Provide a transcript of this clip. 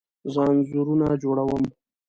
زه انځورونه جوړه وم